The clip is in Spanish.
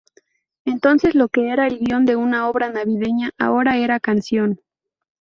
Entonces lo que era el guion de una obra Navideña, ahora era canción.